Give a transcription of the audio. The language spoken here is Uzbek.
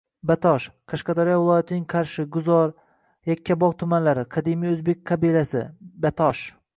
Batosh – q. Qashqadaryo viloyatining Qarshi, G‘uzor, Yakkabog‘ tumanlari. Qadimiy o‘zbek qabilasi – batosh.